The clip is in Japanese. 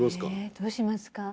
どうしますか？